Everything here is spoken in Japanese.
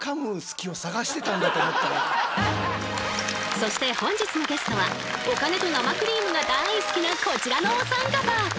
そして本日のゲストはお金と生クリームがだい好きなこちらのお三方。